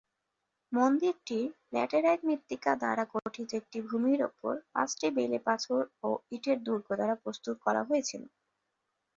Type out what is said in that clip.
মন্দিরটি, ল্যাটেরাইট মৃত্তিকা দ্বারা গঠিত একটি ভূমির ওপর পাঁচটি বেলেপাথর ও ইটের দুর্গ দ্বারা প্রস্তুত করা হয়েছিল।